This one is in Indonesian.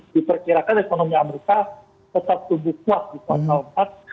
diperkirakan ekonomi amerika tetap tumbuh kuat di kuartal empat